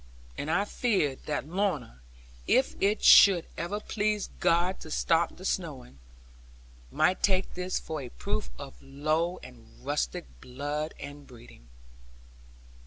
And I feared that Lorna (if it should ever please God to stop the snowing) might take this for a proof of low and rustic blood and breeding.